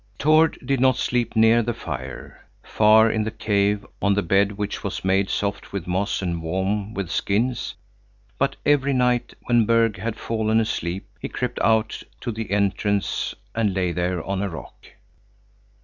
Tord did not sleep near the fire, far in in the cave, on the bed which was made soft with moss and warm with skins, but every night, when Berg had fallen asleep, he crept out to the entrance and lay there on a rock.